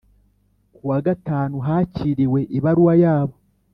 Ku wa gatanu hakiriwe ibaruwa yabo